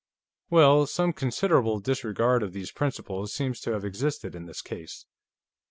"Well, some considerable disregard of these principles seems to have existed in this case.